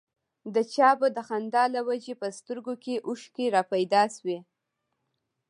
د چا به د خندا له وجې په سترګو کې اوښکې را پيدا شوې.